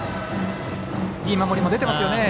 いい守りも出てますよね。